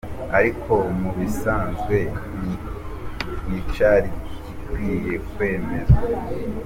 Ariko mu bisanzwe nticari gikwiye kwemezwa.